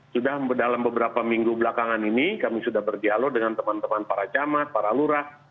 sudah dalam beberapa minggu belakangan ini kami sudah berdialog dengan teman teman para camat para lurah